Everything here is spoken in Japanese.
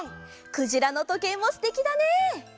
「くじらのとけい」もすてきだね！